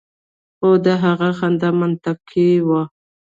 خو د هغه خندا منطقي وه